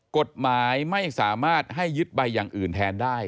กฎหมายไม่สามารถให้ยึดใบอย่างอื่นแทนได้